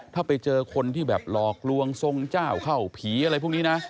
ถ้าไปเจอคนที่แบบหลอกลวงทรงเจ้าเข้าผีอะไรพวกนี้นะ